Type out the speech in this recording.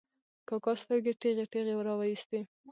کاکا سترګې ټېغې ټېغې را وایستې.